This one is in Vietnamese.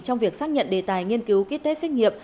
trong việc xác nhận đề tài nghiên cứu ký test xét nghiệm